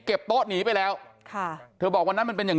โต๊ะหนีไปแล้วค่ะเธอบอกวันนั้นมันเป็นอย่าง